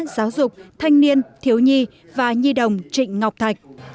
giáo dục thanh niên thiếu nhi và nhi đồng trịnh ngọc thạch